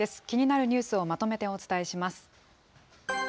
気になるニュースをまとめてお伝えします。